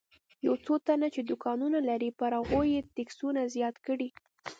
یو څو تنه چې دوکانونه لري پر هغوی یې ټکسونه زیات کړي.